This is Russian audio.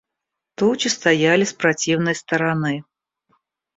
Тучи стояли с противной стороны.